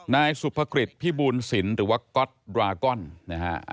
นายสุภกฤษพิบูลศิลป์หรือว่าก๊อตดรากอนนะฮะ